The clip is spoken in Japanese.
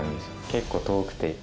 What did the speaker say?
結構遠くて。